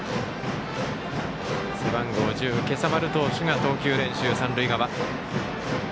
背番号１０、今朝丸投手が投球練習場、三塁側。